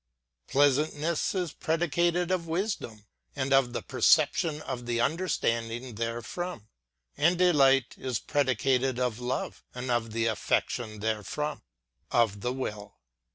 Pleasantness is predicated of wisdom, and of the perception of the understanding therefrom ; and delight is predicated of love, and of the affection therefrom, of the will.